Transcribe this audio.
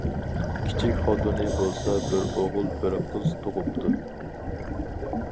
كىچىك خوتۇنى بولسا بىر ئوغۇل، بىر قىز تۇغۇپتۇ.